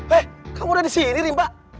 hei kamu udah disini rimbak